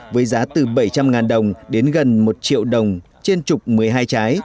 với giá từ bảy trăm linh đồng đến gần một triệu đồng trên chục một mươi hai trái